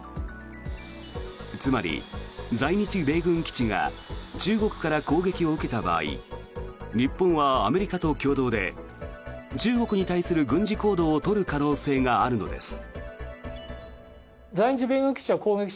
つまり、在日米軍基地が中国から攻撃を受けた場合日本はアメリカと共同で中国に対する軍事行動を取る可能性があるのです。